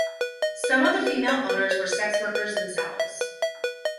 Some of the female owners were sex workers themselves.